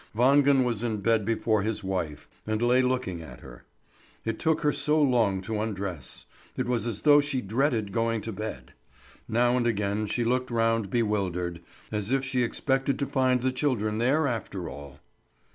Wangen was in bed before his wife, and lay looking at her. It took her so long to undress; it was as though she dreaded going to bed. Now and again she looked round bewildered, as if she expected to find the children there after all.